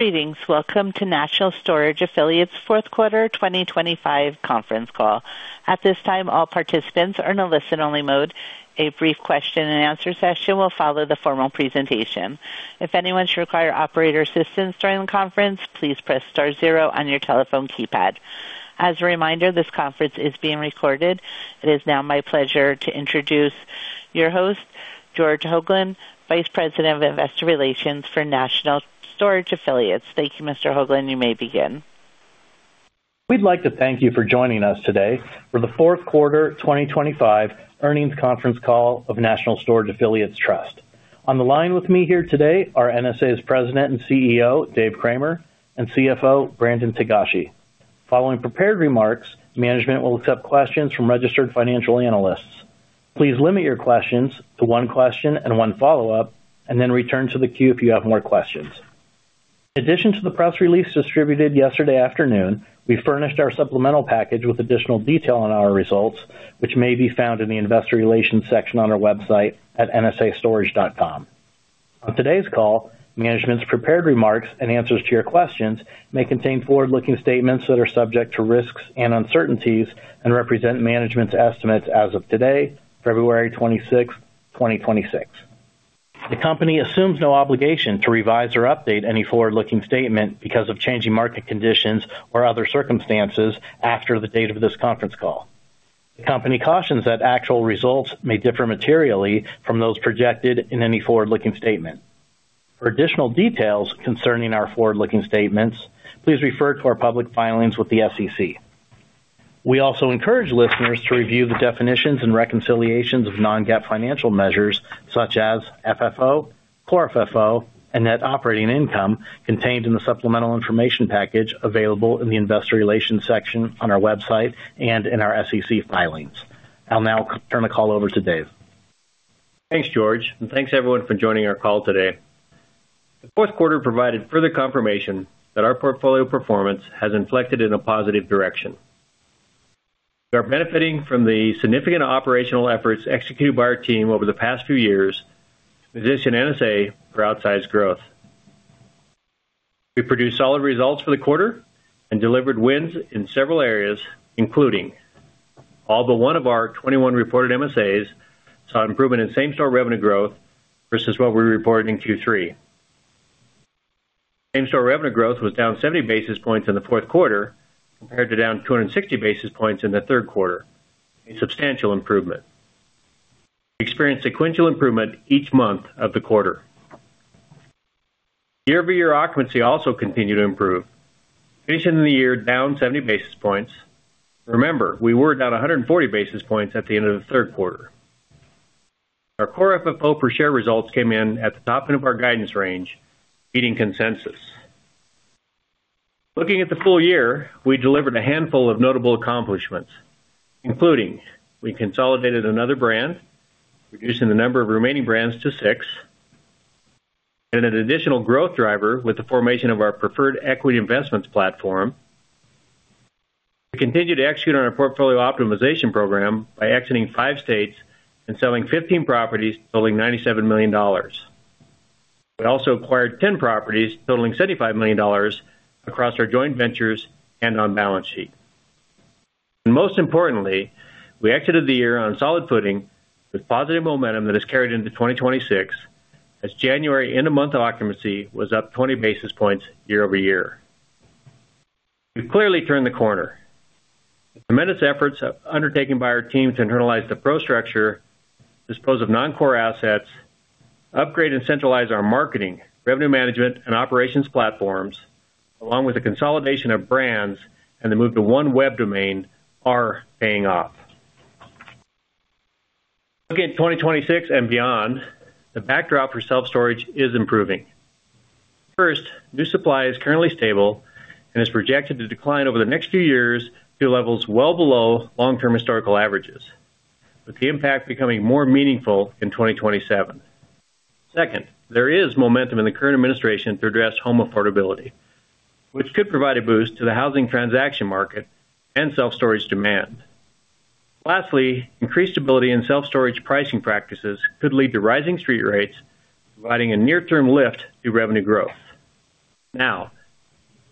Greetings. Welcome to National Storage Affiliates' fourth quarter 2025 conference call. At this time, all participants are in a listen-only mode. A brief question-and-answer session will follow the formal presentation. If anyone should require operator assistance during the conference, please press star zero on your telephone keypad. As a reminder, this conference is being recorded. It is now my pleasure to introduce your host, George Hoglund, Vice President of Investor Relations for National Storage Affiliates. Thank you, Mr. Hoglund. You may begin. We'd like to thank you for joining us today for the fourth quarter 2025 earnings conference call of National Storage Affiliates Trust. On the line with me here today are NSA's President and CEO, David Cramer, and CFO, Brandon Togashi. Following prepared remarks, management will accept questions from registered financial analysts. Please limit your questions to one question and one follow-up. Return to the queue if you have more questions. In addition to the press release distributed yesterday afternoon, we furnished our supplemental package with additional detail on our results, which may be found in the Investor Relations section on our website at nsastorage.com. On today's call, management's prepared remarks and answers to your questions may contain forward-looking statements that are subject to risks and uncertainties and represent management's estimates as of today, February 26th, 2026. The company assumes no obligation to revise or update any forward-looking statement because of changing market conditions or other circumstances after the date of this conference call. The company cautions that actual results may differ materially from those projected in any forward-looking statement. For additional details concerning our forward-looking statements, please refer to our public filings with the SEC. We also encourage listeners to review the definitions and reconciliations of non-GAAP financial measures such as FFO, Core FFO, and net operating income, contained in the supplemental information package available in the Investor Relations section on our website and in our SEC filings. I'll now turn the call over to Dave. Thanks, George, thanks, everyone, for joining our call today. The fourth quarter provided further confirmation that our portfolio performance has inflected in a positive direction. We are benefiting from the significant operational efforts executed by our team over the past few years to position NSA for outsized growth. We produced solid results for the quarter and delivered wins in several areas, including all but one of our 21 reported MSAs, saw an improvement in same-store revenue growth versus what we reported in Q3. Same-store revenue growth was down 70 basis points in the fourth quarter, compared to down 260 basis points in the third quarter, a substantial improvement. Experienced sequential improvement each month of the quarter. Year-over-year occupancy also continued to improve, finishing the year down 70 basis points. Remember, we were down 140 basis points at the end of the third quarter. Our Core FFO per share results came in at the top end of our guidance range, beating consensus. Looking at the full year, we delivered a handful of notable accomplishments, including we consolidated another brand, reducing the number of remaining brands to six, and an additional growth driver with the formation of our preferred equity investments platform. We continued to execute on our portfolio optimization program by exiting five states and selling 15 properties, totaling $97 million. We also acquired 10 properties totaling $75 million across our joint ventures and on balance sheet. Most importantly, we exited the year on solid footing with positive momentum that has carried into 2026, as January end-of-month occupancy was up 20 basis points year-over-year. We've clearly turned the corner. The tremendous efforts undertaken by our team to internalize the PRO structure, dispose of non-core assets, upgrade and centralize our marketing, revenue management, and operations platforms, along with the consolidation of brands and the move to one web domain, are paying off. Looking at 2026 and beyond, the backdrop for self-storage is improving. First, new supply is currently stable and is projected to decline over the next few years to levels well below long-term historical averages, with the impact becoming more meaningful in 2027. Second, there is momentum in the current administration to address home affordability, which could provide a boost to the housing transaction market and self-storage demand. Lastly, increased stability in self-storage pricing practices could lead to rising street rates, providing a near-term lift to revenue growth. Now,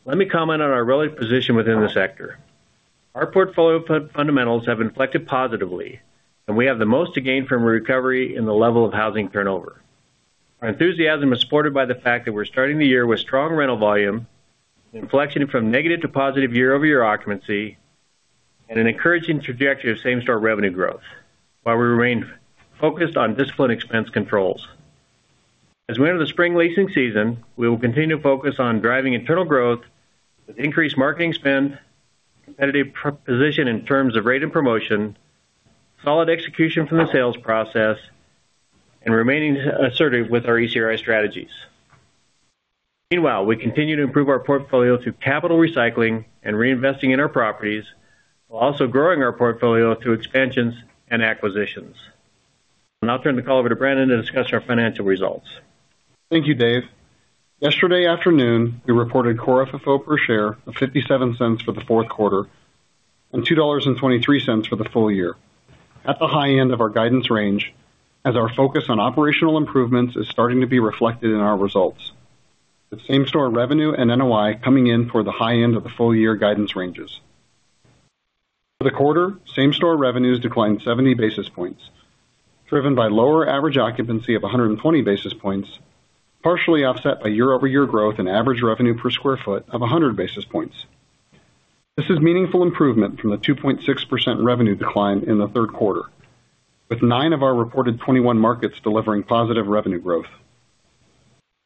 let me comment on our relative position within the sector. Our portfolio fundamentals have inflected positively. We have the most to gain from a recovery in the level of housing turnover. Our enthusiasm is supported by the fact that we're starting the year with strong rental volume, inflection from negative to positive year-over-year occupancy, and an encouraging trajectory of same-store revenue growth, while we remain focused on disciplined expense controls. As we enter the spring leasing season, we will continue to focus on driving internal growth with increased marketing spend, competitive position in terms of rate and promotion, solid execution from the sales process, and remaining assertive with our ECRI strategies. We continue to improve our portfolio through capital recycling and reinvesting in our properties, while also growing our portfolio through expansions and acquisitions. I'll now turn the call over to Brandon to discuss our financial results. Thank you, Dave. Yesterday afternoon, we reported Core FFO per share of $0.57 for the fourth quarter.... and $2.23 for the full year, at the high end of our guidance range, as our focus on operational improvements is starting to be reflected in our results, with same-store revenue and NOI coming in for the high end of the full year guidance ranges. For the quarter, same-store revenues declined 70 basis points, driven by lower average occupancy of 120 basis points, partially offset by year-over-year growth in average revenue per square foot of 100 basis points. This is meaningful improvement from the 2.6% revenue decline in the third quarter, with nine of our reported 21 markets delivering positive revenue growth.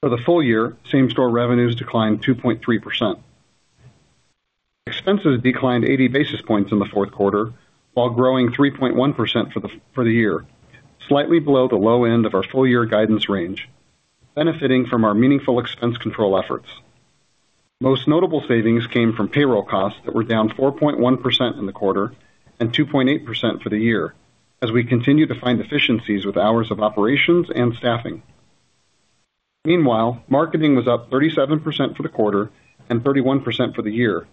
For the full year, same-store revenues declined 2.3%. Expenses declined 80 basis points in the fourth quarter, while growing 3.1% for the year, slightly below the low end of our full year guidance range, benefiting from our meaningful expense control efforts. Most notable savings came from payroll costs that were down 4.1% in the quarter and 2.8% for the year, as we continue to find efficiencies with hours of operations and staffing. Marketing was up 37% for the quarter and 31% for the year,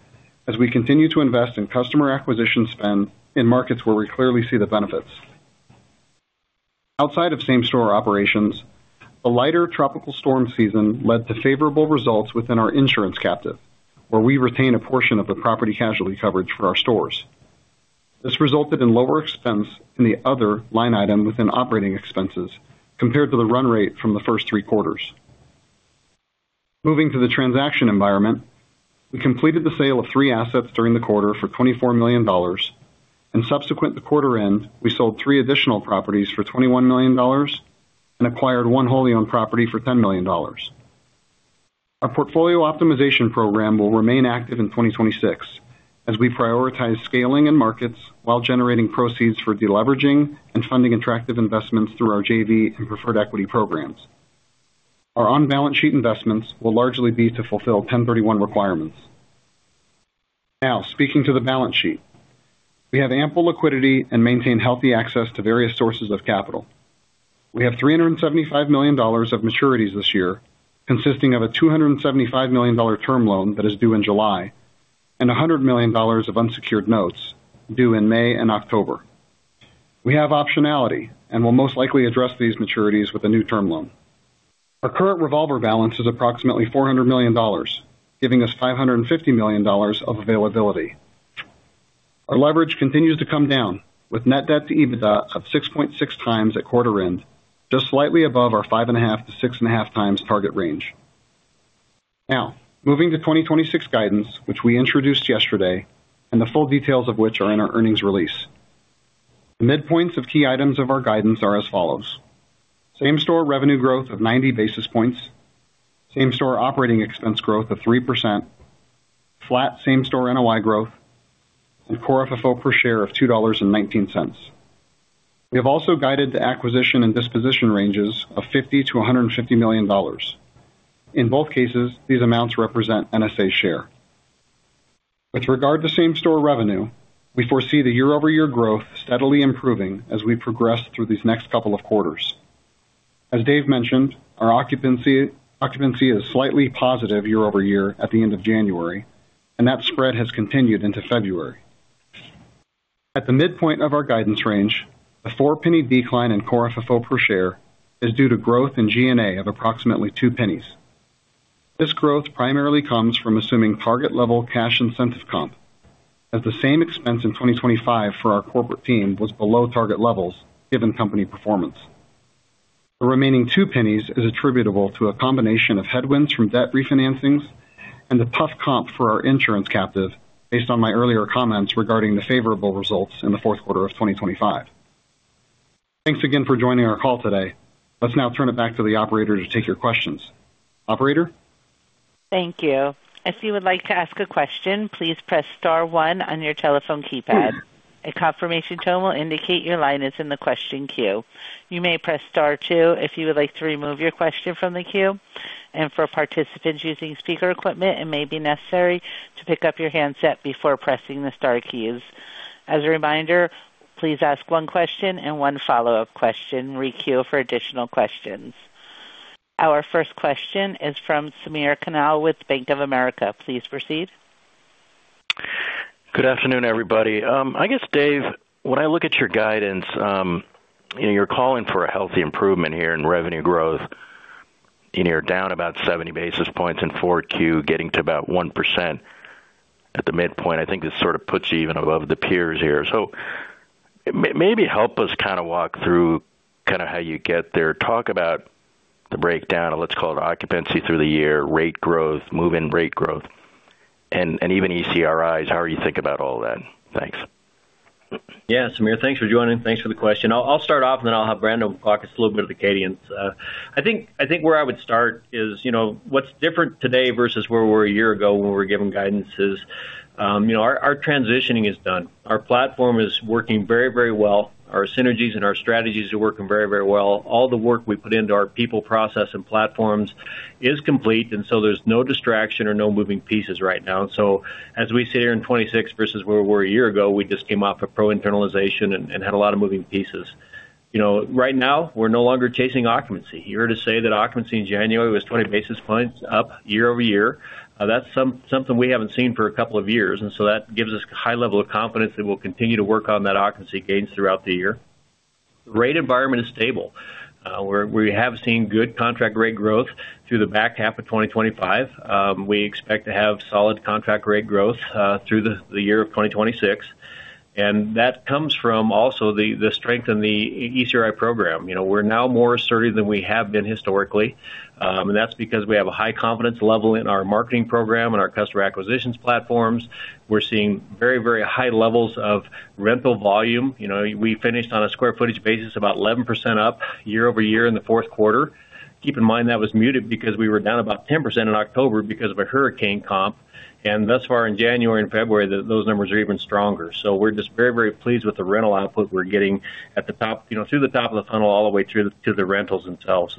as we continue to invest in customer acquisition spend in markets where we clearly see the benefits. Outside of same-store operations, a lighter tropical storm season led to favorable results within our insurance captive, where we retain a portion of the property casualty coverage for our stores. This resulted in lower expense in the other line item within operating expenses compared to the run rate from the first three quarters. Moving to the transaction environment, we completed the sale of three assets during the quarter for $24 million, subsequent to quarter end, we sold three additional properties for $21 million and acquired one wholly owned property for $10 million. Our portfolio optimization program will remain active in 2026 as we prioritize scaling in markets while generating proceeds for deleveraging and funding attractive investments through our JV and preferred equity programs. Our on-balance sheet investments will largely be to fulfill 1031 requirements. Now, speaking to the balance sheet, we have ample liquidity and maintain healthy access to various sources of capital. We have $375 million of maturities this year, consisting of a $275 million term loan that is due in July and $100 million of unsecured notes due in May and October. We have optionality and will most likely address these maturities with a new term loan. Our current revolver balance is approximately $400 million, giving us $550 million of availability. Our leverage continues to come down, with net debt to EBITDA of 6.6x at quarter end, just slightly above our 5.5x-6.5x target range. Moving to 2026 guidance, which we introduced yesterday, and the full details of which are in our earnings release. The midpoints of key items of our guidance are as follows: same-store revenue growth of 90 basis points, same-store operating expense growth of 3%, flat same-store NOI growth, and Core FFO per share of $2.19. We have also guided the acquisition and disposition ranges of $50 million-$150 million. In both cases, these amounts represent NSA share. With regard to same-store revenue, we foresee the year-over-year growth steadily improving as we progress through these next couple of quarters. As David mentioned, our occupancy is slightly positive year-over-year at the end of January, and that spread has continued into February. At the midpoint of our guidance range, a four penny decline in Core FFO per share is due to growth in G&A of approximately two pennies. This growth primarily comes from assuming target level cash incentive comp, as the same expense in 2025 for our corporate team was below target levels, given company performance. The remaining $0.02 is attributable to a combination of headwinds from debt refinancings and a tough comp for our insurance captive, based on my earlier comments regarding the favorable results in the fourth quarter of 2025. Thanks again for joining our call today. Let's now turn it back to the operator to take your questions. Operator? Thank you. If you would like to ask a question, please press star one on your telephone keypad. A confirmation tone will indicate your line is in the question queue. You may press star two if you would like to remove your question from the queue, and for participants using speaker equipment, it may be necessary to pick up your handset before pressing the star keys. As a reminder, please ask one question and one follow-up question. Requeue for additional questions. Our first question is from Samir Khanal with Bank of America. Please proceed. Good afternoon, everybody. I guess, Dave, when I look at your guidance, you're calling for a healthy improvement here in revenue growth. You know, you're down about 70 basis points in four Q, getting to about 1% at the midpoint. I think this sort of puts you even above the peers here. Maybe help us kind of walk through kind of how you get there. Talk about the breakdown of let's call it occupancy through the year, rate growth, move-in rate growth, and even ECRIs, how you think about all that. Thanks. Yeah, Samir, thanks for joining. Thanks for the question. I'll start off, then I'll have Brandon talk just a little bit of the cadence. I think where I would start is, you know, what's different today versus where we were a year ago when we were given guidance is, you know, our transitioning is done. Our platform is working very, very well. Our synergies and our strategies are working very, very well. All the work we put into our people, process, and platforms is complete, so there's no distraction or no moving pieces right now. As we sit here in 2026 versus where we were a year ago, we just came off a PRO internalization and had a lot of moving pieces. You know, right now, we're no longer chasing occupancy. Here to say that occupancy in January was 20 basis points up year-over-year, that's something we haven't seen for a couple of years. That gives us high level of confidence that we'll continue to work on that occupancy gains throughout the year. The rate environment is stable. We have seen good contract rate growth through the back half of 2025. We expect to have solid contract rate growth through the year of 2026. That comes from also the strength in the ECRI program. You know, we're now more assertive than we have been historically. That's because we have a high confidence level in our marketing program and our customer acquisitions platforms. We're seeing very, very high levels of rental volume. You know, we finished on a square footage basis, about 11% up year-over-year in the fourth quarter. Keep in mind, that was muted because we were down about 10% in October because of a hurricane comp, and thus far in January and February, those numbers are even stronger. We're just very, very pleased with the rental output we're getting at the top, you know, through the top of the funnel, all the way through to the rentals themselves.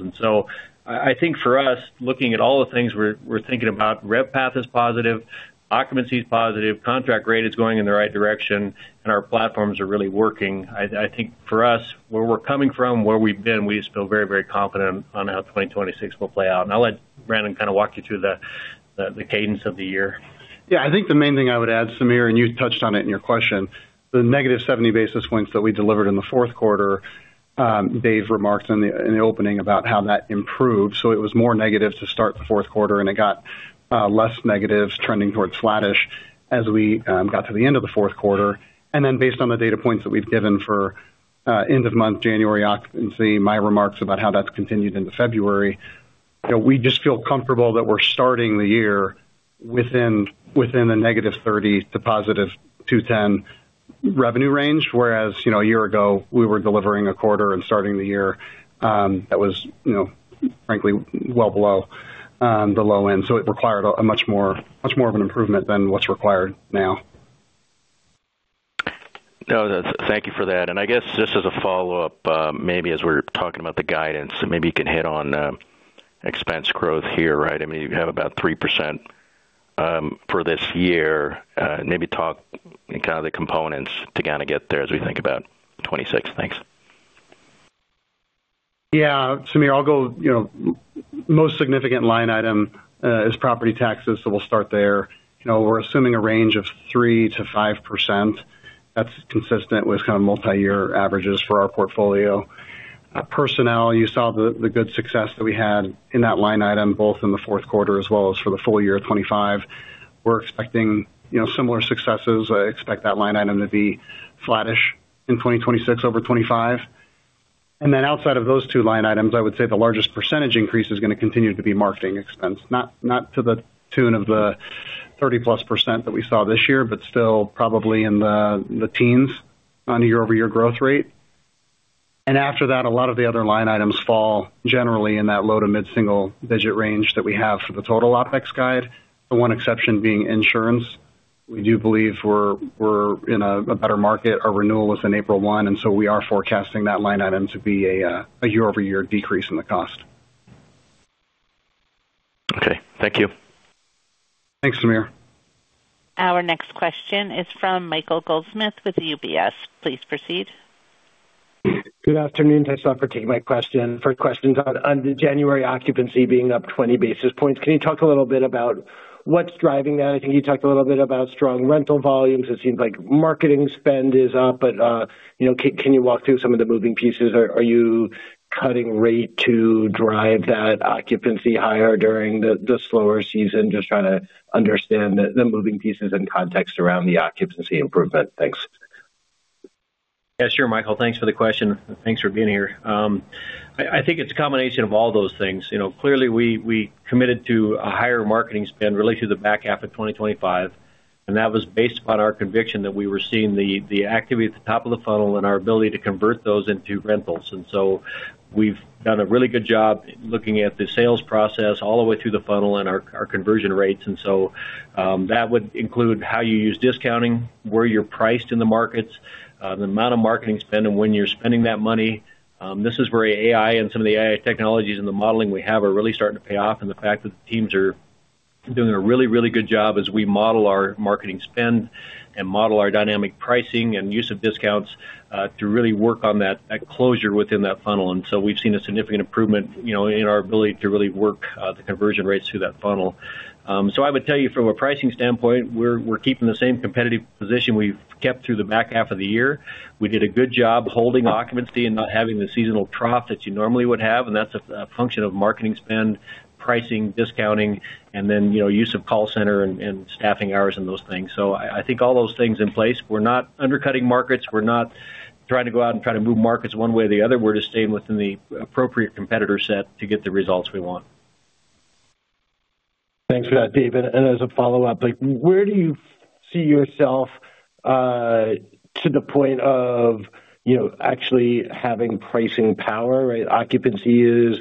I think for us, looking at all the things we're thinking about, RevPAF is positive, occupancy is positive, contract rate is going in the right direction, and our platforms are really working. I think for us, where we're coming from, where we've been, we just feel very, very confident on how 2026 will play out. I'll let Brandon kind of walk you through the cadence of the year. I think the main thing I would add, Samir, and you touched on it in your question, the -70 basis points that we delivered in the fourth quarter, Dave remarked on in the opening about how that improved. It was more negative to start the fourth quarter, and it got less negatives trending towards flattish as we got to the end of the fourth quarter. Based on the data points that we've given for end of month, January occupancy, my remarks about how that's continued into February, you know, we just feel comfortable that we're starting the year within the -30% to +210% revenue range, whereas, you know, a year ago, we were delivering a quarter and starting the year that was, you know, frankly, well below the low end.It required a much more of an improvement than what's required now. No, thank you for that. I guess just as a follow-up, maybe as we're talking about the guidance, maybe you can hit on expense growth here, right? I mean, you have about 3%, for this year. Maybe talk kind of the components to kind of get there as we think about 2026. Thanks. Yeah, Samir, I'll go. You know, most significant line item is property taxes, so we'll start there. You know, we're assuming a range of 3%-5%. That's consistent with kind of multiyear averages for our portfolio. Personnel, you saw the good success that we had in that line item, both in the fourth quarter as well as for the full year of 25. We're expecting, you know, similar successes. I expect that line item to be flattish in 2026 over 25. Outside of those two line items, I would say the largest percentage increase is gonna continue to be marketing expense, not to the tune of the 30%-plus that we saw this year, but still probably in the teens on a year-over-year growth rate. After that, a lot of the other line items fall generally in that low to mid-single digit range that we have for the total OpEx guide. The one exception being insurance. We do believe we're in a better market. Our renewal was in April 1. We are forecasting that line item to be a year-over-year decrease in the cost. Okay, thank you. Thanks, Samir. Our next question is from Michael Goldsmith with UBS. Please proceed. Good afternoon. Thanks a lot for taking my question. First question, Todd. On the January occupancy being up 20 basis points, can you talk a little bit about what's driving that? I think you talked a little bit about strong rental volumes. It seems like marketing spend is up, you know, can you walk through some of the moving pieces? Are you cutting rate to drive that occupancy higher during the slower season? Just trying to understand the moving pieces and context around the occupancy improvement. Thanks. Yeah, sure, Michael, thanks for the question. Thanks for being here. I think it's a combination of all those things. You know, clearly, we committed to a higher marketing spend really through the back half of 2025, and that was based upon our conviction that we were seeing the activity at the top of the funnel and our ability to convert those into rentals. We've done a really good job looking at the sales process all the way through the funnel and our conversion rates, and so, that would include how you use discounting, where you're priced in the markets, the amount of marketing spend, and when you're spending that money. This is where AI and some of the AI technologies and the modeling we have are really starting to pay off, and the fact that the teams are doing a really, really good job as we model our marketing spend and model our dynamic pricing and use of discounts, to really work on that closure within that funnel. We've seen a significant improvement, you know, in our ability to really work the conversion rates through that funnel. So I would tell you from a pricing standpoint, we're keeping the same competitive position we've kept through the back half of the year. We did a good job holding occupancy and not having the seasonal trough that you normally would have. That's a function of marketing spend, pricing, discounting, and then, you know, use of call center and staffing hours and those things. I think all those things in place. We're not undercutting markets. We're not trying to go out and try to move markets one way or the other. We're just staying within the appropriate competitor set to get the results we want. Thanks for that, Dave. As a follow-up, like, where do you see yourself, to the point of, you know, actually having pricing power, right? Occupancy is...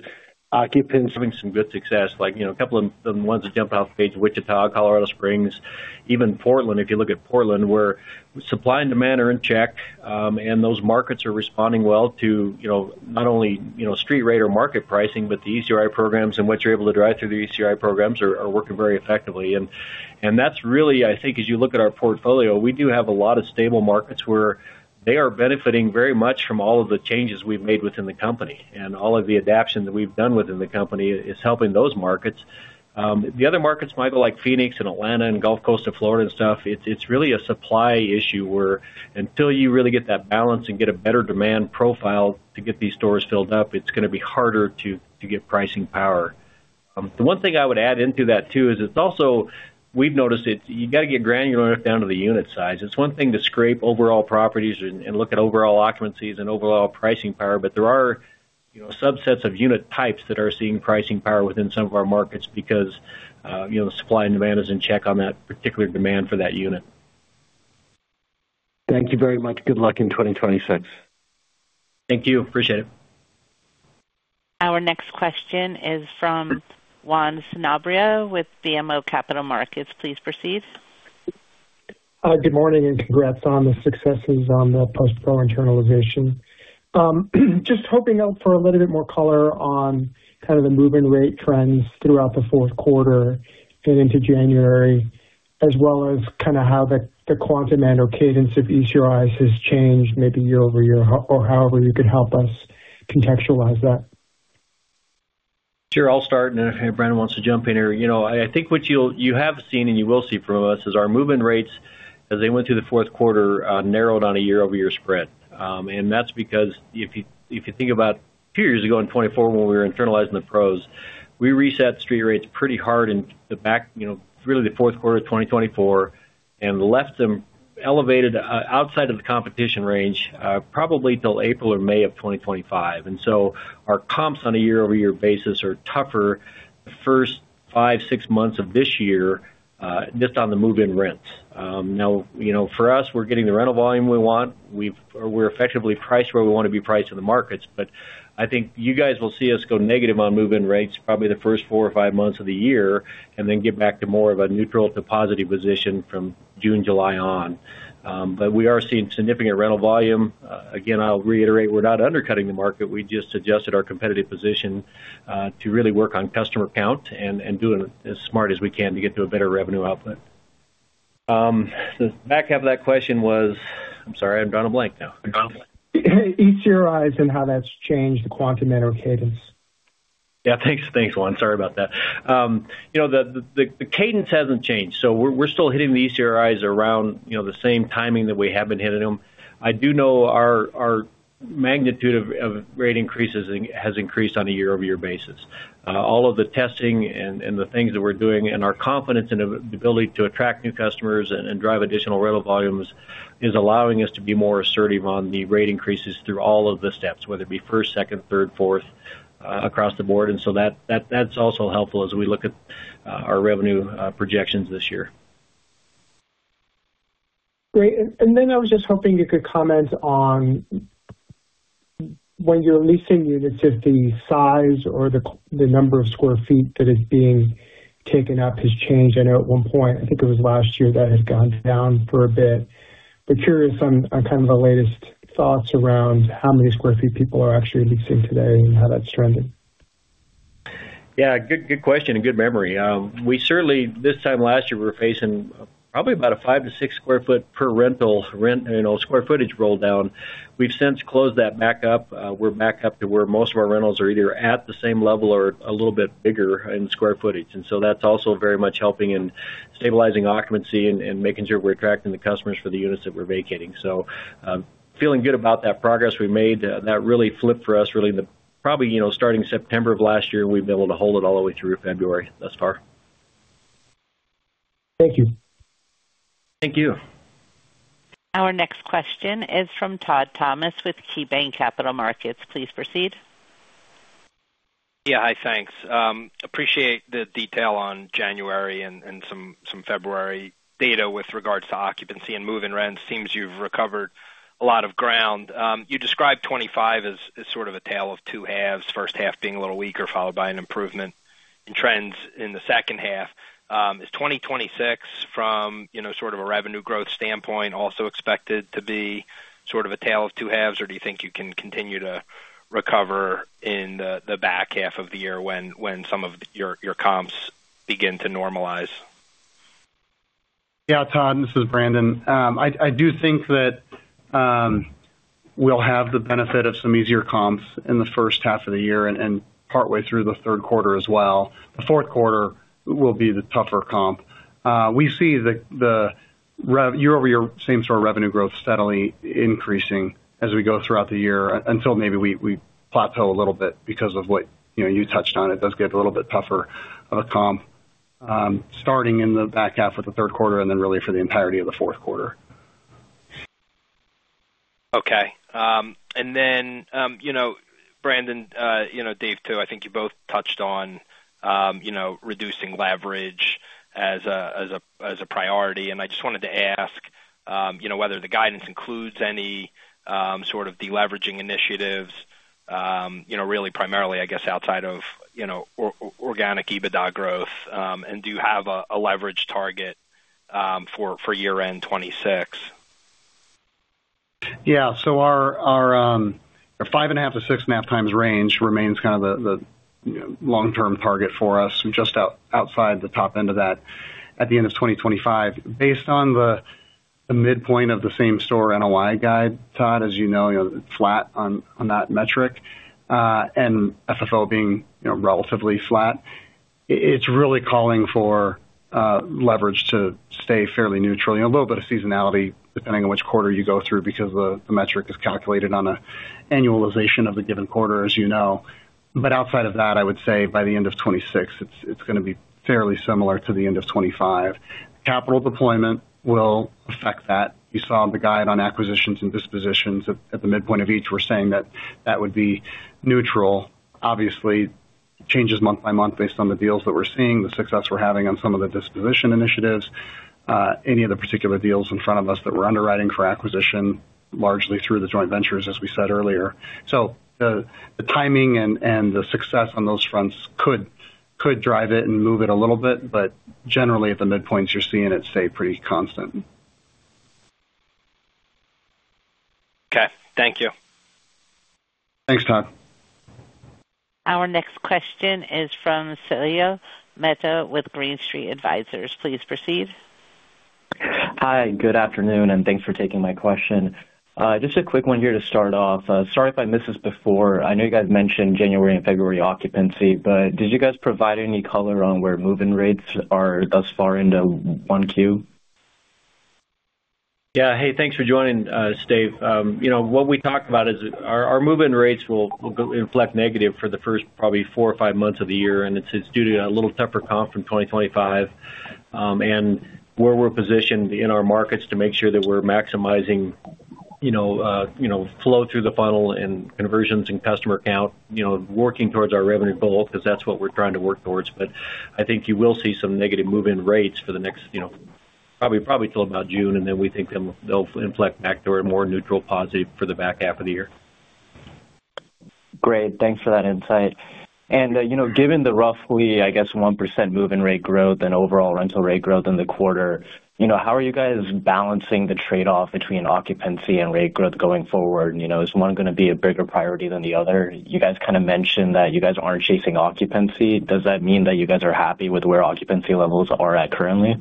Occupancy, having some good success, like, you know, a couple of the ones that jump out, Wichita, Colorado Springs, even Portland. If you look at Portland, where supply and demand are in check, and those markets are responding well to, you know, not only, you know, street rate or market pricing, but the ECR programs and what you're able to drive through the ECR programs are working very effectively. That's really, I think, as you look at our portfolio, we do have a lot of stable markets where they are benefiting very much from all of the changes we've made within the company, and all of the adaptation that we've done within the company is helping those markets. The other markets, Michael, like Phoenix and Atlanta and Gulf Coast of Florida and stuff, it's really a supply issue, where until you really get that balance and get a better demand profile to get these stores filled up, it's gonna be harder to get pricing power. The one thing I would add into that, too, is we've noticed it, you got to get granular enough down to the unit size. It's one thing to scrape overall properties and look at overall occupancies and overall pricing power, but there are, you know, subsets of unit types that are seeing pricing power within some of our markets because, you know, supply and demand is in check on that particular demand for that unit. Thank you very much. Good luck in 2026. Thank you. Appreciate it. Our next question is from Juan Sanabria with BMO Capital Markets. Please proceed. Good morning. Congrats on the successes on the post PRO internalization. Just hoping out for a little bit more color on kind of the move-in rate trends throughout the fourth quarter and into January, as well as kind of how the quantum and/or cadence of ECRI has changed, maybe year-over-year, or however you could help us contextualize that. Sure, I'll start, and if Brandon wants to jump in here. You know, I think what you have seen, and you will see from us, is our move-in rates, as they went through the fourth quarter, narrowed on a year-over-year spread. That's because if you, if you think about a few years ago, in 2024, when we were internalizing the PROs, we reset street rates pretty hard in the back, you know, really the fourth quarter of 2024, and left them elevated, outside of the competition range, probably till April or May of 2025. So our comps on a year-over-year basis are tougher the first five, six months of this year, just on the move-in rents. Now, you know, for us, we're getting the rental volume we want. We're effectively priced where we want to be priced in the markets, but I think you guys will see us go negative on move-in rates, probably the first four or five months of the year, and then get back to more of a neutral to positive position from June, July on. We are seeing significant rental volume. Again, I'll reiterate, we're not undercutting the market. We just adjusted our competitive position to really work on customer count and doing it as smart as we can to get to a better revenue output. The back half of that question was? I'm sorry, I've drawn a blank now. I've drawn a blank. ECRI and how that's changed the quantum and/or cadence. Yeah, thanks. Thanks, Juan. Sorry about that. You know, the cadence hasn't changed, we're still hitting the ECRI around, you know, the same timing that we have been hitting them. I do know our magnitude of rate increases has increased on a year-over-year basis. All of the testing and the things that we're doing and our confidence in the ability to attract new customers and drive additional rental volumes is allowing us to be more assertive on the rate increases through all of the steps, whether it be first, second, third, fourth, across the board. That's also helpful as we look at our revenue projections this year. Great. Then I was just hoping you could comment on when you're leasing units, if the size or the number of square feet that is being taken up has changed? I know at one point, I think it was last year, that had gone down for a bit, but curious on kind of the latest thoughts around how many square feet people are actually leasing today and how that's trending? Good question, good memory. We certainly, this time last year, were facing probably about a five to six square foot per rental rent, you know, square footage roll down. We've since closed that back up. We're back up to where most of our rentals are either at the same level or a little bit bigger in square footage, that's also very much helping in stabilizing occupancy and making sure we're attracting the customers for the units that we're vacating. Feeling good about that progress we made. That really flipped for us, really, probably, you know, starting September of last year, we've been able to hold it all the way through February, thus far. Thank you. Thank you. Our next question is from Todd Thomas with KeyBanc Capital Markets. Please proceed. Yeah. Hi, thanks. Appreciate the detail on January and some February data with regards to occupancy and move-in rents. Seems you've recovered a lot of ground. You described 2025 as sort of a tale of two halves, first half being a little weaker, followed by an improvement in trends in the second half. Is 2026 from, you know, sort of a revenue growth standpoint, also expected to be sort of a tale of two halves, or do you think you can continue to recover in the back half of the year when some of your comps begin to normalize? Todd, this is Brandon. I do think that we'll have the benefit of some easier comps in the first half of the year and partway through the third quarter as well. The fourth quarter will be the tougher comp. We see the year-over-year same store revenue growth steadily increasing as we go throughout the year until maybe we plateau a little bit because of what, you know, you touched on. It does get a little bit tougher of a comp, starting in the back half of the third quarter, and then really for the entirety of the fourth quarter. Okay. Then, you know, Brandon, you know, Dave, too, I think you both touched on, you know, reducing leverage as a priority, and I just wanted to ask, you know, whether the guidance includes any sort of deleveraging initiatives, you know, really primarily, I guess, outside of, you know, organic EBITDA growth. Do you have a leverage target for year-end 2026?... Yeah, our 5.5x-6.5x range remains kind of the, you know, long-term target for us, just outside the top end of that at the end of 2025. Based on the midpoint of the same store NOI guide, Todd, as you know, flat on that metric, and FFO being, you know, relatively flat, it's really calling for leverage to stay fairly neutral. You know, a little bit of seasonality, depending on which quarter you go through, because the metric is calculated on a annualization of the given quarter, as you know. Outside of that, I would say by the end of 2026, it's gonna be fairly similar to the end of 2025. Capital deployment will affect that. You saw the guide on acquisitions and dispositions. At the midpoint of each, we're saying that would be neutral. Obviously, changes month by month based on the deals that we're seeing, the success we're having on some of the disposition initiatives, any of the particular deals in front of us that we're underwriting for acquisition, largely through the joint ventures, as we said earlier. The timing and the success on those fronts could drive it and move it a little bit, but generally, at the midpoints, you're seeing it stay pretty constant. Okay. Thank you. Thanks, Todd. Our next question is from Spenser Allaway with Green Street Advisors. Please proceed. Hi, good afternoon. Thanks for taking my question. Just a quick one here to start off. Sorry if I missed this before. I know you guys mentioned January and February occupancy. Did you guys provide any color on where move-in rates are thus far into 1Q? Yeah. Hey, thanks for joining, Steve. You know, what we talked about is our move-in rates will inflect negative for the first probably four or five months of the year, and it's due to a little tougher comp from 2025. Where we're positioned in our markets to make sure that we're maximizing, you know, flow through the funnel and conversions and customer count, you know, working towards our revenue goal, because that's what we're trying to work towards. I think you will see some negative move-in rates for the next, you know, probably till about June, and then we think they'll inflect back to a more neutral positive for the back half of the year. Great. Thanks for that insight. You know, given the roughly, I guess, 1% move-in rate growth and overall rental rate growth in the quarter, you know, how are you guys balancing the trade-off between occupancy and rate growth going forward? You know, is one gonna be a bigger priority than the other? You guys kind of mentioned that you guys aren't chasing occupancy. Does that mean that you guys are happy with where occupancy levels are at currently?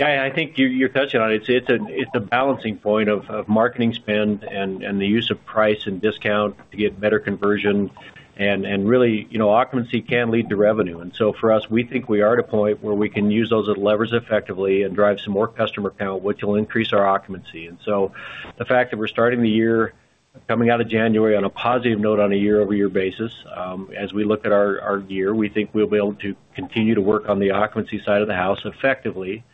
Yeah, I think you're touching on it. It's a, it's a balancing point of marketing spend and the use of price and discount to get better conversion. Really, you know, occupancy can lead to revenue. For us, we think we are at a point where we can use those levers effectively and drive some more customer count, which will increase our occupancy. The fact that we're starting the year, coming out of January, on a positive note on a year-over-year basis, as we look at our year, we think we'll be able to continue to work on the occupancy side of the house effectively,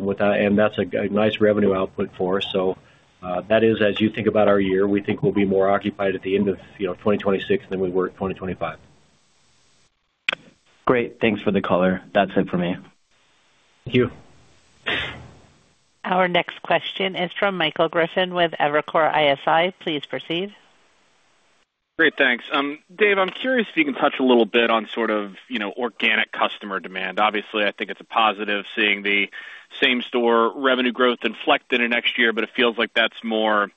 with that, and that's a nice revenue output for us. That is, as you think about our year, we think we'll be more occupied at the end of, you know, 2026 than we were in 2025. Great. Thanks for the color. That's it for me. Thank you. Our next question is from Michael Griffin with Evercore ISI. Please proceed. Great, thanks. Dave, I'm curious if you can touch a little bit on sort of, you know, organic customer demand. Obviously, I think it's a positive seeing the same-store revenue growth inflect in the next year, but it feels like that's more,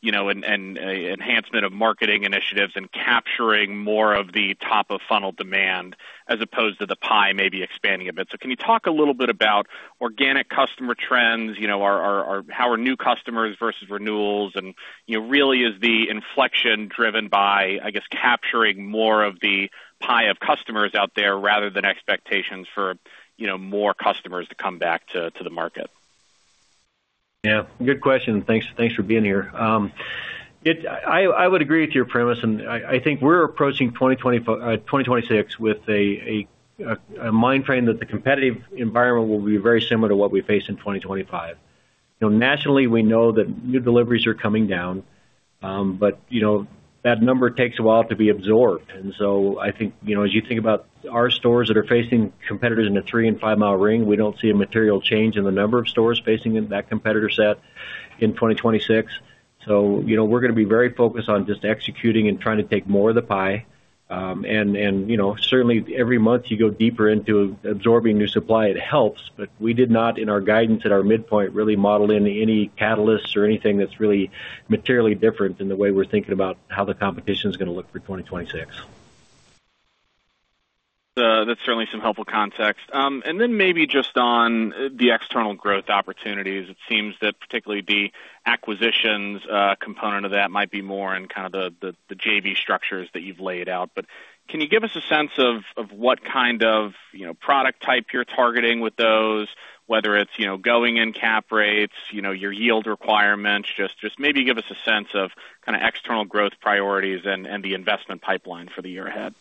you know, an enhancement of marketing initiatives and capturing more of the top-of-funnel demand as opposed to the pie maybe expanding a bit. Can you talk a little bit about organic customer trends? You know, how are new customers versus renewals? You know, really is the inflection driven by, I guess, capturing more of the pie of customers out there rather than expectations for, you know, more customers to come back to the market? Yeah, good question. Thanks, thanks for being here. I would agree with your premise, and I think we're approaching 2026 with a mind frame that the competitive environment will be very similar to what we faced in 2025. You know, nationally, we know that new deliveries are coming down, but, you know, that number takes a while to be absorbed. I think, you know, as you think about our stores that are facing competitors in a three- and five-mile ring, we don't see a material change in the number of stores facing in that competitor set in 2026. You know, we're gonna be very focused on just executing and trying to take more of the pie. You know, certainly every month you go deeper into absorbing new supply, it helps, but we did not, in our guidance at our midpoint, really model in any catalysts or anything that's really materially different in the way we're thinking about how the competition is gonna look for 2026. That's certainly some helpful context. Maybe just on the external growth opportunities, it seems that particularly the acquisitions, component of that might be more in kind of the JV structures that you've laid out. Can you give us a sense of what kind of, you know, product type you're targeting with those, whether it's, you know, going in cap rates, you know, your yield requirements? Just maybe give us a sense of kind of external growth priorities and the investment pipeline for the year ahead.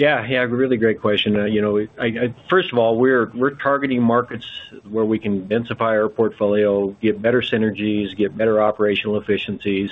Yeah, really great question. You know, first of all, we're targeting markets where we can densify our portfolio, get better synergies, get better operational efficiencies.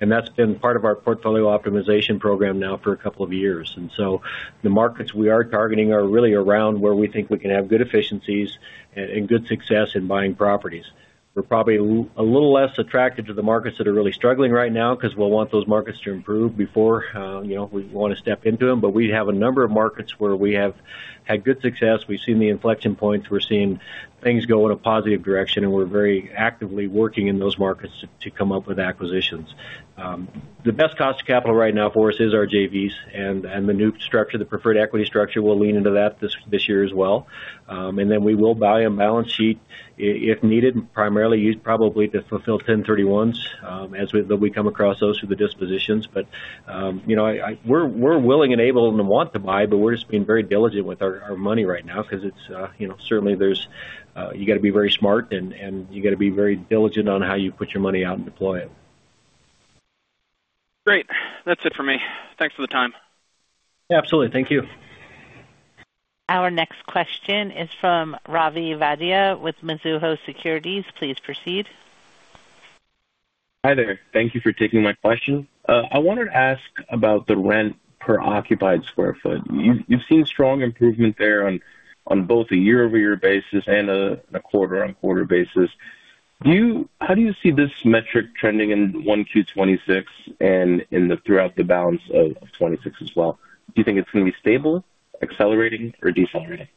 That's been part of our portfolio optimization program now for a couple of years. The markets we are targeting are really around where we think we can have good efficiencies and good success in buying properties. We're probably a little less attracted to the markets that are really struggling right now because we'll want those markets to improve before, you know, we'd want to step into them. We have a number of markets where we have had good success. We've seen the inflection points, we're seeing things go in a positive direction, and we're very actively working in those markets to come up with acquisitions. The best cost of capital right now for us is our JVs and the new structure, the preferred equity structure. We'll lean into that this year as well. We will buy a balance sheet if needed, primarily used probably to fulfill 1031s, as we come across those through the dispositions. You know, we're willing and able and want to buy, but we're just being very diligent with our money right now because it's, you know, certainly there's, you got to be very smart and you got to be very diligent on how you put your money out and deploy it. Great. That's it for me. Thanks for the time. Absolutely. Thank you. Our next question is from Ravi Vaidya with Mizuho Securities. Please proceed. Hi there. Thank you for taking my question. I wanted to ask about the rent per occupied square foot. You've seen strong improvement there on both a year-over-year basis and a quarter-on-quarter basis. How do you see this metric trending in 1Q 2026 and throughout the balance of 2026 as well? Do you think it's going to be stable, accelerating, or decelerating?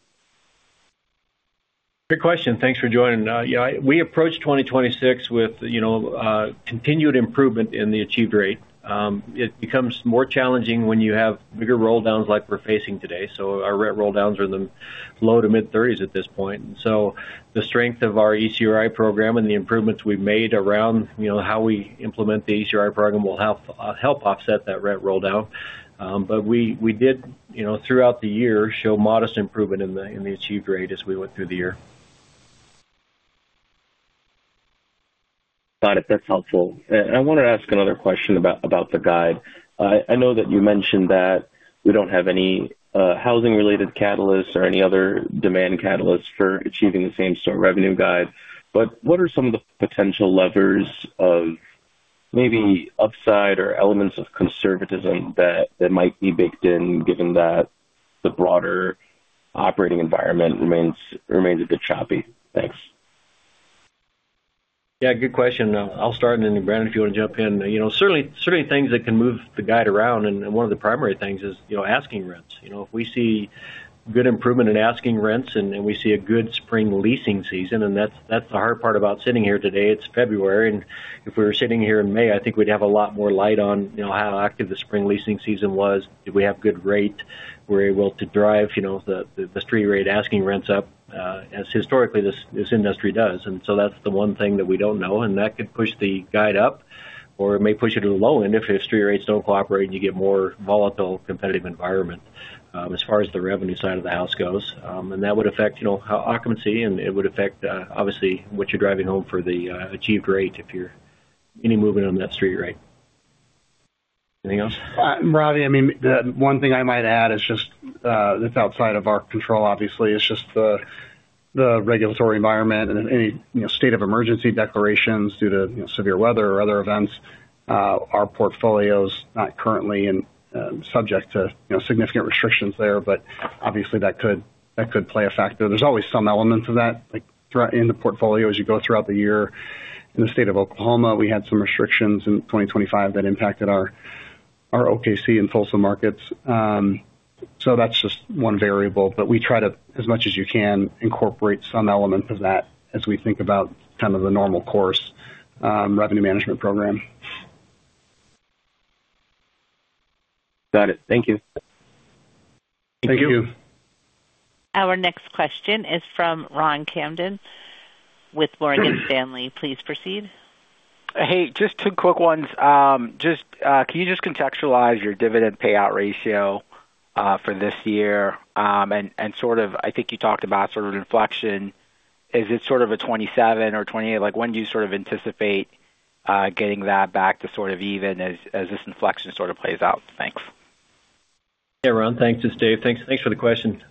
Good question. Thanks for joining. Yeah, we approached 2026 with, you know, continued improvement in the achieved rate. It becomes more challenging when you have bigger rolldowns like we're facing today. Our rent rolldowns are in the low to mid-30s at this point. The strength of our ECRI program and the improvements we've made around, you know, how we implement the ECRI program will help offset that rent rolldown. We, we did, you know, throughout the year, show modest improvement in the, in the achieved rate as we went through the year. Got it. That's helpful. I want to ask another question about the guide. I know that you mentioned that we don't have any housing-related catalysts or any other demand catalysts for achieving the same-store revenue guide, what are some of the potential levers of maybe upside or elements of conservatism that might be baked in, given that the broader operating environment remains a bit choppy? Thanks. Yeah, good question. I'll start, and then, Brandon, if you want to jump in. You know, certainly things that can move the guide around, and one of the primary things is, you know, asking rents. You know, if we see good improvement in asking rents and we see a good spring leasing season, and that's the hard part about sitting here today. It's February, if we were sitting here in May, I think we'd have a lot more light on, you know, how active the spring leasing season was. Did we have good rate? We're able to drive, you know, the street rate, asking rents up, as historically, this industry does. That's the one thing that we don't know, and that could push the guide up, or it may push it low. If street rates don't cooperate, you get more volatile, competitive environment, as far as the revenue side of the house goes. That would affect, you know, occupancy, and it would affect, obviously, what you're driving home for the achieved rate if you're any movement on that street rate. Anything else? Ravi, I mean, the one thing I might add is just that's outside of our control, obviously, is just the regulatory environment and any, you know, state of emergency declarations due to, you know, severe weather or other events. Our portfolio's not currently in subject to, you know, significant restrictions there, but obviously, that could play a factor. There's always some elements of that, like, throughout in the portfolio as you go throughout the year. In the state of Oklahoma, we had some restrictions in 2025 that impacted our OKC and Tulsa markets. That's just one variable, but we try to, as much as you can, incorporate some element of that as we think about kind of the normal course, revenue management program. Got it. Thank you. Thank you. Thank you. Our next question is from Ron Kamdem with Morgan Stanley. Please proceed. Hey, just two quick ones. Just, can you just contextualize your dividend payout ratio for this year? Sort of I think you talked about sort of inflection. Is it sort of a 27 or 28? Like, when do you sort of anticipate getting that back to sort of even as this inflection sort of plays out? Thanks. Hey, Ron, thanks. It's Dave. Thanks for the question.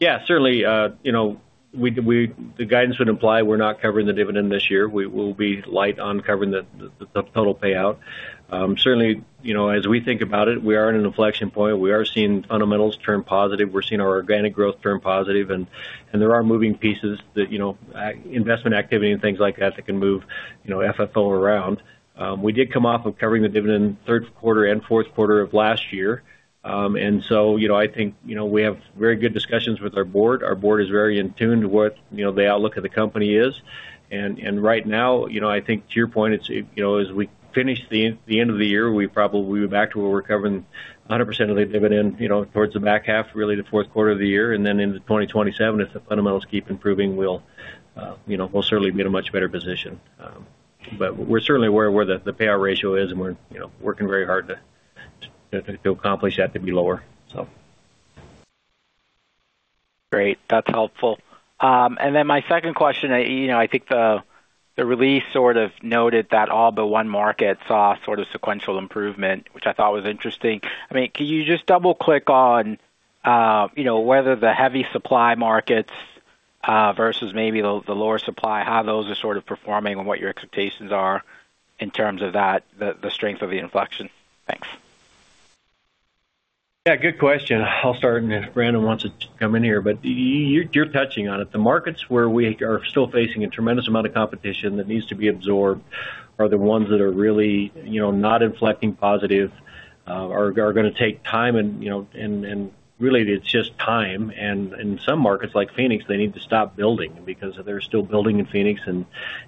Yeah, certainly, you know, the guidance would imply we're not covering the dividend this year. We will be light on covering the total payout. Certainly, you know, as we think about it, we are in an inflection point. We are seeing fundamentals turn positive. We're seeing our organic growth turn positive, and there are moving pieces that, you know, investment activity and things like that can move, you know, FFO around. We did come off of covering the dividend third quarter and fourth quarter of last year. You know, I think, you know, we have very good discussions with our board. Our board is very in tune to what, you know, the outlook of the company is. Right now, you know, I think to your point, it's, you know, as we finish the end of the year, we probably back to where we're covering 100% of the dividend, you know, towards the back half, really, the fourth quarter of the year. Into 2027, if the fundamentals keep improving, we'll, you know, we'll certainly be in a much better position. We're certainly aware of where the payout ratio is, and we're, you know, working very hard to accomplish that to be lower. Great, that's helpful. My second question, you know, I think the release sort of noted that all but 1 market saw sort of sequential improvement, which I thought was interesting. I mean, can you just double-click on, you know, whether the heavy supply markets versus maybe the lower supply, how those are sort of performing and what your expectations are in terms of that, the strength of the inflection? Thanks. Yeah, good question. I'll start, and if Brandon wants to come in here, but you're touching on it. The markets where we are still facing a tremendous amount of competition that needs to be absorbed are the ones that are really, you know, not inflecting positive, are gonna take time and, you know, and really, it's just time. Some markets, like Phoenix, they need to stop building because they're still building in Phoenix and,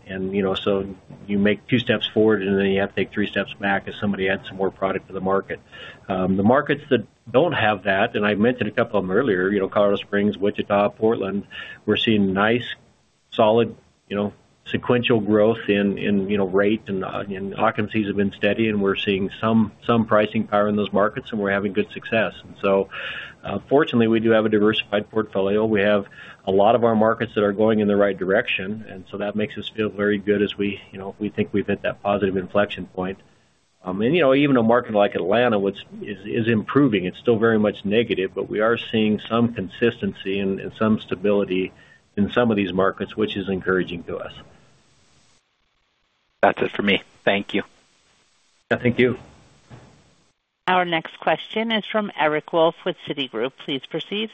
you know, so you make two steps forward, and then you have to take three steps back as somebody adds some more product to the market. The markets that don't have that, and I mentioned a couple of them earlier, you know, Colorado Springs, Wichita, Portland, we're seeing nice, solid, you know, sequential growth in, you know, rate, and occupancies have been steady, and we're seeing some pricing power in those markets, and we're having good success. Fortunately, we do have a diversified portfolio. We have a lot of our markets that are going in the right direction, and so that makes us feel very good as we, you know, we think we've hit that positive inflection point. You know, even a market like Atlanta, which is improving, it's still very much negative, but we are seeing some consistency and some stability in some of these markets, which is encouraging to us. That's it for me. Thank you. Yeah, thank you. Our next question is from Eric Wolfe with Citigroup. Please proceed.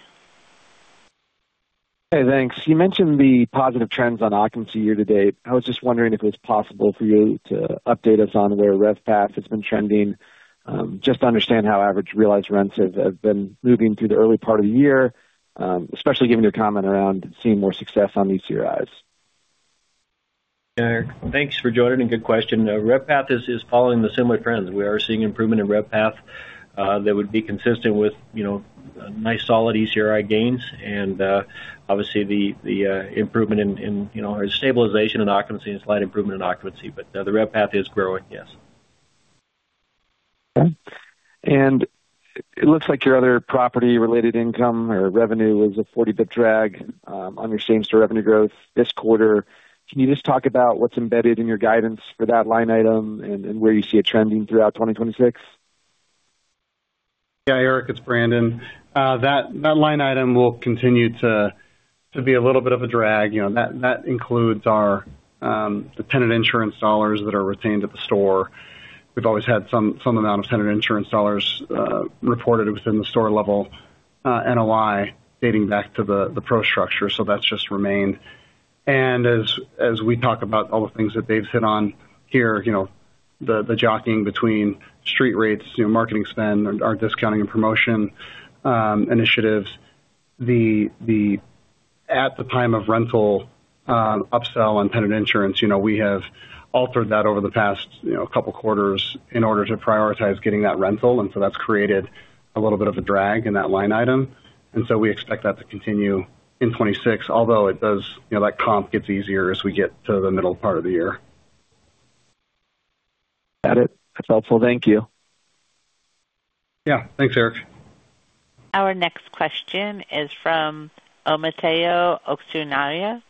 Hey, thanks. You mentioned the positive trends on occupancy year to date. I was just wondering if it was possible for you to update us on where RevPAF has been trending, just to understand how average realized rents have been moving through the early part of the year, especially given your comment around seeing more success on ECRIs. Yeah, Eric, thanks for joining. Good question. RevPAF is following the similar trends. We are seeing improvement in RevPAF, that would be consistent with, you know, nice, solid ECRI gains, obviously, the improvement in, you know, or stabilization in occupancy and slight improvement in occupancy. The RevPAF is growing, yes. Okay. It looks like your other property-related income or revenue was a 40 basis points drag on your same-store revenue growth this quarter. Can you just talk about what's embedded in your guidance for that line item and where you see it trending throughout 2026? Yeah, Eric, it's Brandon. That line item will continue to be a little bit of a drag. You know, that includes our the tenant insurance dollars that are retained at the store. We've always had some amount of tenant insurance dollars, reported within the store level NOI, dating back to the PRO structure. That's just remained. As we talk about all the things that Dave hit on here, you know, the jockeying between street rates, you know, marketing spend, and our discounting and promotion initiatives, the at the time of rental upsell on tenant insurance, you know, we have altered that over the past, you know, couple quarters in order to prioritize getting that rental. That's created a little bit of a drag in that line item. We expect that to continue in 26, although it does, you know, that comp gets easier as we get to the middle part of the year. Got it. That's helpful. Thank you. Yeah. Thanks, Eric. Our next question is from Omotayo Okusanya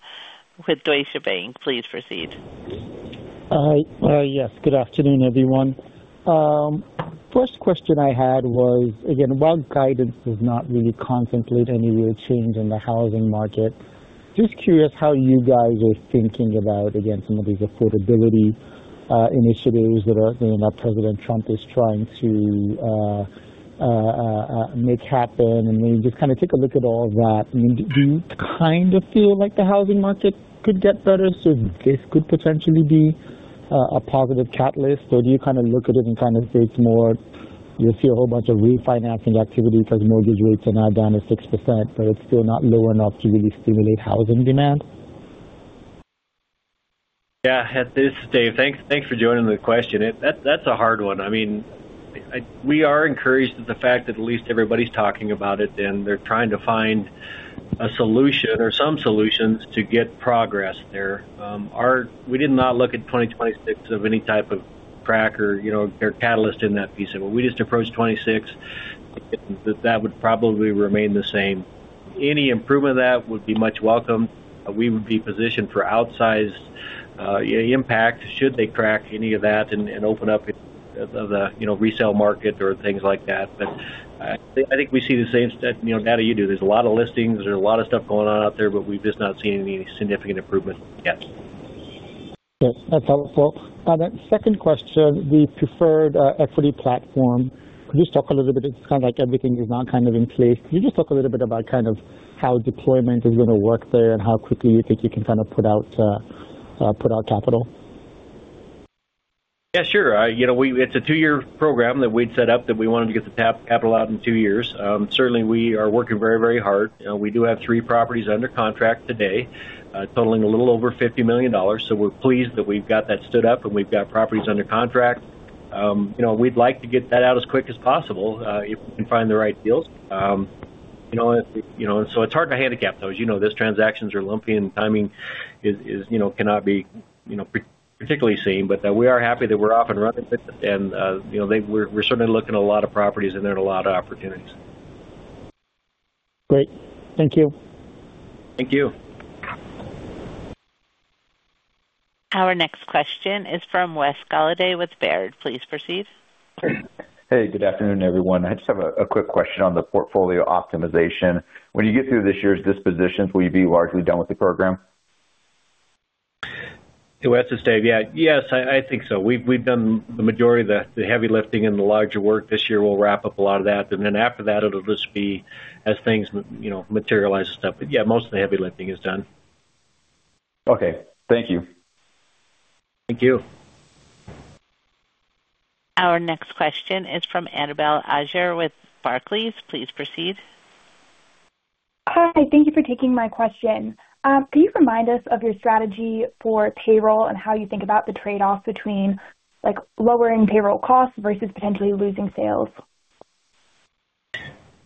with Deutsche Bank. Please proceed. Yes, good afternoon, everyone. First question I had was, again, while guidance does not really contemplate any real change in the housing market, just curious how you guys are thinking about, again, some of these affordability initiatives that are, you know, that President Trump is trying to make happen. Just kind of take a look at all of that. I mean, do you kind of feel like the housing market could get better, so this could potentially be a positive catalyst? Or do you kind of look at it and kind of it's more, you'll see a whole bunch of refinancing activity because mortgage rates are now down to 6%, but it's still not low enough to really stimulate housing demand? Yeah, at this, Dave, thanks for joining the question. That's a hard one. I mean, we are encouraged at the fact that at least everybody's talking about it, and they're trying to find a solution or some solutions to get progress there. We did not look at 2026 of any type of track or, you know, or catalyst in that piece of it. We just approached 2026, that would probably remain the same. Any improvement of that would be much welcome. We would be positioned for outsized impact, should they crack any of that and open up the, you know, resale market or things like that. I think we see the same, you know, data you do. There's a lot of listings. There's a lot of stuff going on out there, but we've just not seen any significant improvement yet. Yes, that's helpful. The second question, the preferred equity platform. Could you just talk a little bit? It's kind of like everything is now kind of in place. Can you just talk a little bit about kind of how deployment is gonna work there and how quickly you think you can kind of put out, put out capital? Yeah, sure. You know, it's a two-year program that we'd set up that we wanted to get the capital out in two years. Certainly, we are working very, very hard, and we do have three properties under contract today, totaling a little over $50 million. We're pleased that we've got that stood up, and we've got properties under contract. You know, we'd like to get that out as quick as possible if we can find the right deals. You know, it's hard to handicap those. You know, those transactions are lumpy, and timing is, you know, cannot be, you know, particularly seen, but we are happy that we're off and running. You know, we're certainly looking at a lot of properties, and there are a lot of opportunities. Great. Thank you. Thank you. Our next question is from Wes Golladay with Baird. Please proceed. Hey, good afternoon, everyone. I just have a quick question on the portfolio optimization. When you get through this year's dispositions, will you be largely done with the program? Wes Golladay. I think so. We've done the majority of the heavy lifting and the larger work this year. We'll wrap up a lot of that, after that, it'll just be as things you know, materialize and stuff. Most of the heavy lifting is done. Okay. Thank you. Thank you. Our next question is from Annabelle Ayer with Barclays. Please proceed. Hi, thank you for taking my question. Can you remind us of your strategy for payroll and how you think about the trade-off between, like, lowering payroll costs versus potentially losing sales?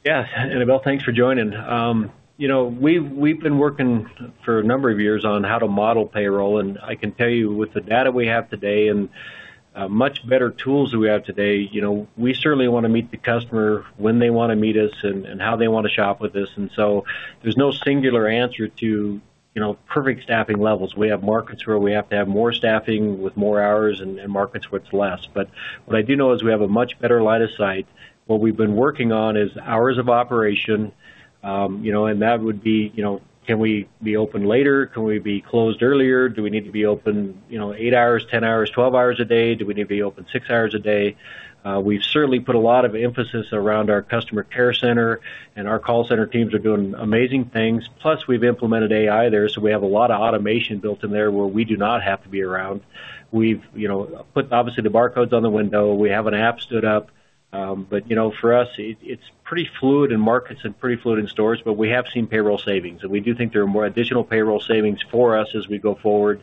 Yes, Annabelle, thanks for joining. you know, we've been working for a number of years on how to model payroll, and I can tell you with the data we have today and much better tools that we have today, you know, we certainly wanna meet the customer when they wanna meet us and how they wanna shop with us. There's no singular answer to, you know, perfect staffing levels. We have markets where we have to have more staffing with more hours and markets with less. What I do know is we have a much better line of sight. What we've been working on is hours of operation, you know, and that would be, you know, can we be open later? Can we be closed earlier? Do we need to be open, you know, 8 hours, 10 hours, 12 hours a day? Do we need to be open 6 hours a day? We've certainly put a lot of emphasis around our customer care center, and our call center teams are doing amazing things. We've implemented AI there, so we have a lot of automation built in there where we do not have to be around. We've, you know, put obviously the barcodes on the window. We have an app stood up. You know, for us, it's pretty fluid in markets and pretty fluid in stores, but we have seen payroll savings, and we do think there are more additional payroll savings for us as we go forward.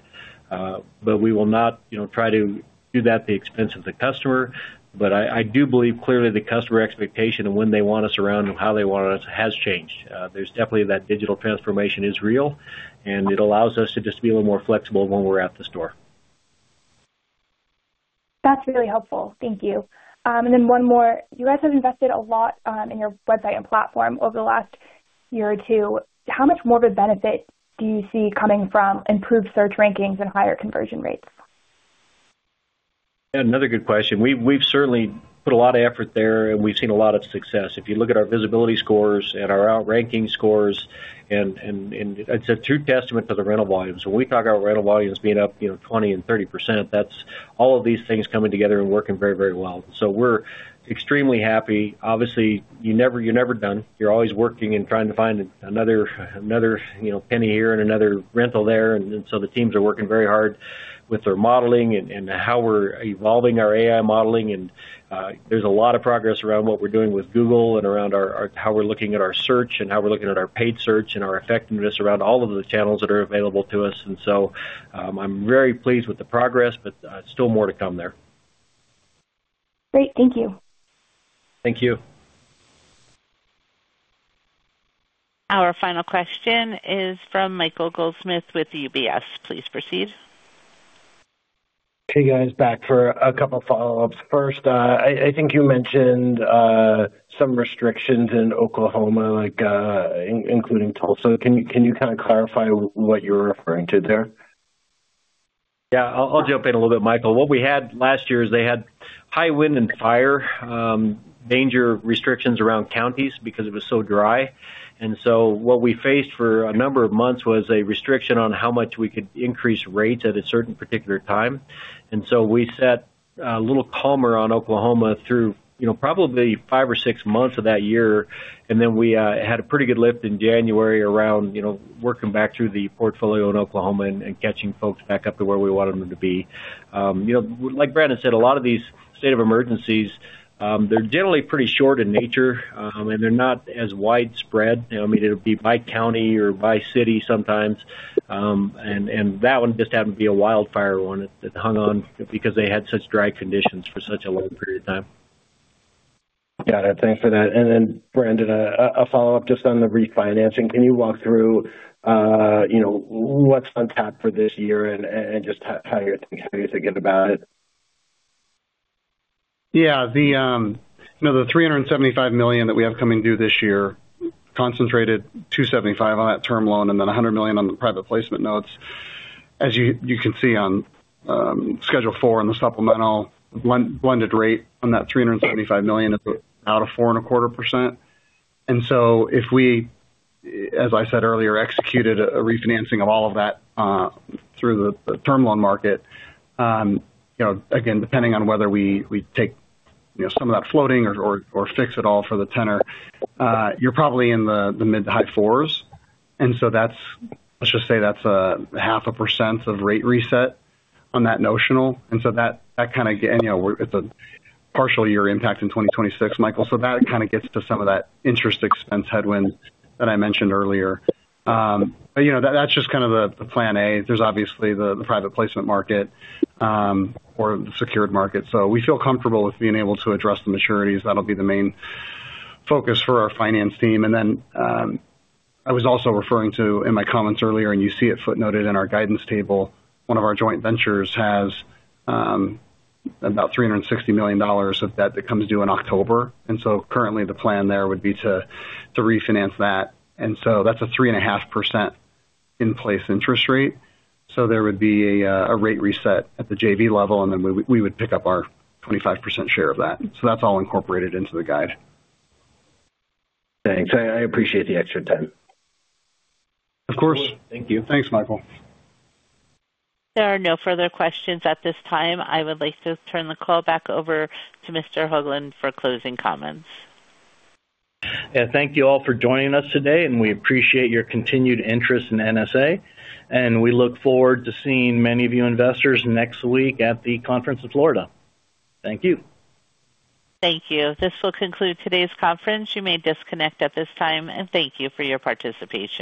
We will not, you know, try to do that at the expense of the customer. I do believe, clearly, the customer expectation of when they want us around and how they want us has changed. There's definitely that digital transformation is real, and it allows us to just be a little more flexible when we're at the store. That's really helpful. Thank you. One more. You guys have invested a lot, in your website and platform over the last year or two. How much more of a benefit do you see coming from improved search rankings and higher conversion rates? Another good question. We've certainly put a lot of effort there, and we've seen a lot of success. If you look at our visibility scores and our outranking scores, and it's a true testament to the rental volumes. When we talk about rental volumes being up, you know, 20% and 30%, that's all of these things coming together and working very, very well. So we're extremely happy. Obviously, you never, you're never done. You're always working and trying to find another, you know, penny here and another rental there. The teams are working very hard with their modeling and how we're evolving our AI modeling. There's a lot of progress around what we're doing with Google and around our... how we're looking at our search and how we're looking at our paid search and our effectiveness around all of the channels that are available to us. I'm very pleased with the progress, but still more to come there. Great. Thank you. Thank you. Our final question is from Michael Goldsmith with UBS. Please proceed. Hey, guys, back for a couple follow-ups. First, I think you mentioned some restrictions in Oklahoma, like including Tulsa. Can you kind of clarify what you were referring to there? Yeah, I'll jump in a little bit, Michael. What we had last year is they had high wind and fire danger restrictions around counties because it was so dry. What we faced for a number of months was a restriction on how much we could increase rates at a certain particular time. We sat a little calmer on Oklahoma through, you know, probably five months or six months of that year, then we had a pretty good lift in January around, you know, working back through the portfolio in Oklahoma and catching folks back up to where we wanted them to be. You know, like Brandon said, a lot of these state of emergencies, they're generally pretty short in nature, and they're not as widespread. I mean, it'll be by county or by city sometimes. That one just happened to be a wildfire one that hung on because they had such dry conditions for such a long period of time. Got it. Thanks for that. Brandon, a follow-up just on the refinancing. Can you walk through, you know, what's untapped for this year and just how you're thinking about it? Yeah. The, you know, the $375 million that we have coming due this year, concentrated $275 million on that term loan and then $100 million on the private placement notes. As you can see on schedule four in the supplemental blended rate on that $375 million is out of 4.25%. If we, as I said earlier, executed a refinancing of all of that through the term loan market, you know, again, depending on whether we take, you know, some of that floating or fix it all for the tenor, you're probably in the mid-to-high 4s. That's... Let's just say that's half a percent of rate reset on that notional. You know, it's a partial year impact in 2026, Michael, so that kind of gets to some of that interest expense headwind that I mentioned earlier. You know, that's just kind of the plan A. There's obviously the private placement market or the secured market. We feel comfortable with being able to address the maturities. That'll be the main focus for our finance team. I was also referring to, in my comments earlier, and you see it footnoted in our guidance table, one of our joint ventures has about $360 million of debt that comes due in October, currently the plan there would be to refinance that. That's a 3.5% in-place interest rate. There would be a rate reset at the JV level, and then we would pick up our 25% share of that. That's all incorporated into the guide. Thanks. I appreciate the extra time. Of course. Thank you. Thanks, Michael. There are no further questions at this time. I would like to turn the call back over to Mr. Hoglund for closing comments. Yeah. Thank you all for joining us today, and we appreciate your continued interest in NSA, and we look forward to seeing many of you investors next week at the conference in Florida. Thank you. Thank you. This will conclude today's conference. You may disconnect at this time, thank you for your participation.